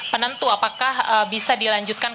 penentu apakah bisa dilanjutkan